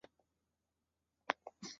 不确定的目标在何方